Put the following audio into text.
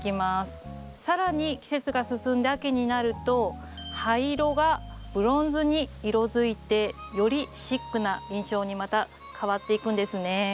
更に季節が進んで秋になると葉色がブロンズに色づいてよりシックな印象にまた変わっていくんですね。